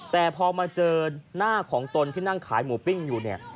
แต่พอมาเจอหน้าของตนที่นั่งขายหมูปิ้งอยู่เนี่ย